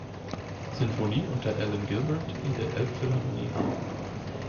Sinfonie unter Alan Gilbert in der Elbphilharmonie Hamburg.